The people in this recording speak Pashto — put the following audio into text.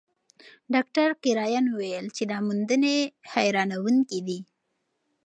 ډاکټر کرایان وویل چې دا موندنې حیرانوونکې دي.